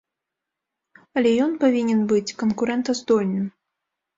Але ён павінен быць канкурэнтаздольным.